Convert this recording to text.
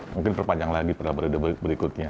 mungkin perpanjang lagi pada periode berikutnya